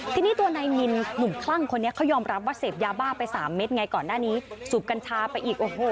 ทีนี้ตัวนายนินหนุ่มคลั่งคนนี้เขายอมรับว่าเสพยาบ้าไปสามเม็ดไงก่อนหน้านี้สูบกัญชาไปอีกโอ้โห